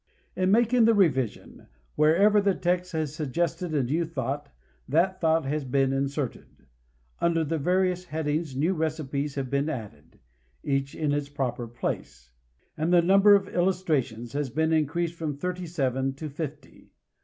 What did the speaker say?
In making the revision, wherever the text has suggested a new thought that thought has been inserted; under the various headings new recipes have been added, each in its proper place, and the number of illustrations has been increased from thirty seven to fifty.